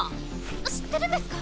知ってるんですか？